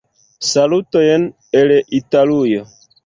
Salutojn el Italujo.